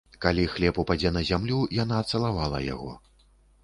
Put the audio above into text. Калі хлеб упадзе на зямлю, яна цалавала яго.